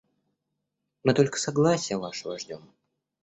Мы — только согласия вашего ждем.